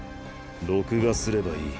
録画すればいい。